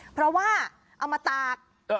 เพราะว่าเอามาตาก